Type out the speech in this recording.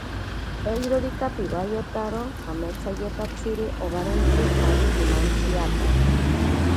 Eirorika piwayetaro kametsayetatsiri obaretantsi, ari pimantsiyatake.